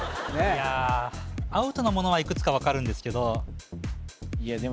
いやアウトのものはいくつか分かるんですけどいや